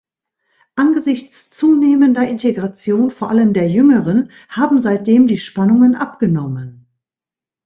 Angesichts zunehmender Integration, vor allem der Jüngeren, haben seitdem die Spannungen abgenommen.